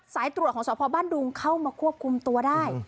สายตรวจของสพบ้านดุงเข้ามาควบคุมตัวได้